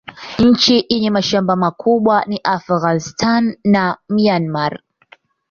Nchi yenye mashamba makubwa ni Afghanistan na Myanmar.